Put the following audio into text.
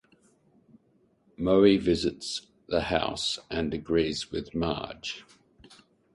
Moe visits the house and agrees with Marge.